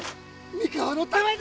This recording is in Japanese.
三河のために！